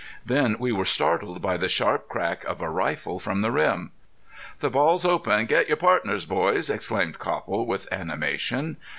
Then we were startled by the sharp crack of a rifle from the rim. "The ball's open! Get your pardners, boys," exclaimed Copple, with animation.